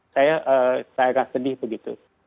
saya agak sedih begitu